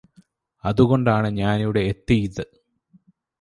അതുകൊണ്ടാണ് ഞാനിവിടെ എത്തിയ്ത്